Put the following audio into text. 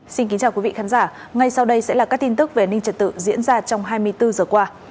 xin kính chào quý vị khán giả ngay sau đây sẽ là các tin tức về an ninh trật tự diễn ra trong hai mươi bốn giờ qua